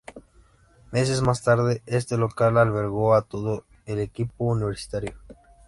Meses más tarde este local albergó a todo el equipo universitario.